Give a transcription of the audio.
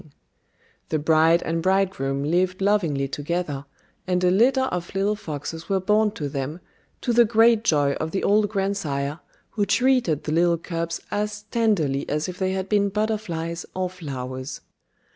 "] The bride and bridegroom lived lovingly together, and a litter of little foxes were born to them, to the great joy of the old grandsire, who treated the little cubs as tenderly as if they had been butterflies or flowers.